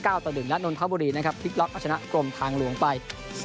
และนอนพระบุรีนะครับพลิกล็อตเอาชนะกลมทางหลวงไป๒๑